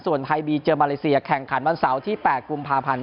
ส่วนไทยบีเจอมาเลเซียแข่งขันวันเสาร์ที่๘กุมภาพันธ์